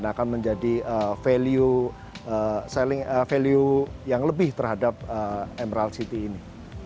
ini akan menjadi daya tarik sendiri dan akan menjadi value yang lebih terhadap emerald city ini